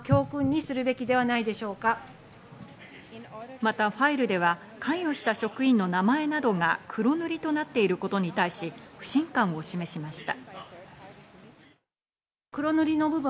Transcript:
またファイルでは関与した職員の名前などが黒塗りとなっていることに対し、不信感を示しました。